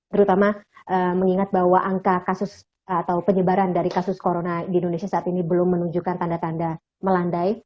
terutama mengingat bahwa angka kasus atau penyebaran dari kasus corona di indonesia saat ini belum menunjukkan tanda tanda melandai